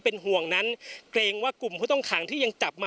พร้อมด้วยผลตำรวจเอกนรัฐสวิตนันอธิบดีกรมราชทัน